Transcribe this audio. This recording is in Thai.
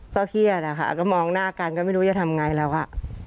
เครียดอะค่ะก็มองหน้ากันก็ไม่รู้จะทำไงแล้วอ่ะ